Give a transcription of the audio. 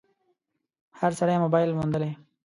هر سړي موبایل موندلی